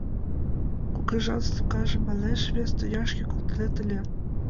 Кугыжан слугажым, манеш, вес тӱняшке колтынет ыле!